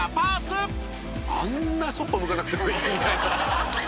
「あんなそっぽ向かなくてもいいみたいな」